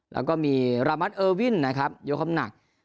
แล้วก็มีระมานเออวินนะครับยกข้อมหนัก